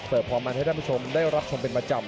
เสิร์ฟพร้อมมาให้ท่านผู้ชมได้รับชมเป็นประจำ